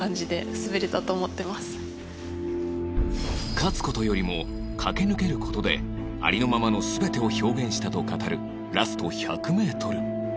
勝つ事よりも駆け抜ける事でありのままの全てを表現したと語るラスト１００メートル